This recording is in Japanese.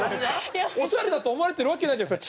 オシャレだと思われてるわけないじゃないですか